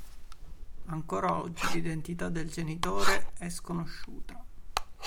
Ancora oggi, l'identità del genitore è sconosciuta.